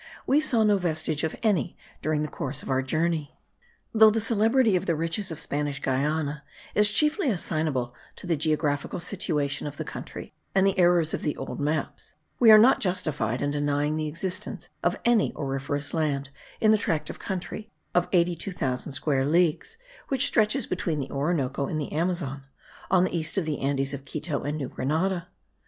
We saw no vestige of any during the course of our journey. Though the celebrity of the riches of Spanish Guiana is chiefly assignable to the geographical situation of the country and the errors of the old maps, we are not justified in denying the existence of any auriferous land in the tract of country of eighty two thousand square leagues, which stretches between the Orinoco and the Amazon, on the east of the Andes of Quito and New Granada.